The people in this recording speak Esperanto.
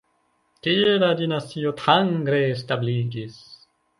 Tie la Dinastio Tang re-establiĝis.